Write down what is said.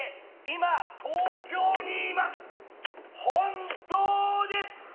今東京にいます本当です！